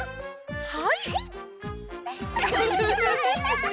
はい。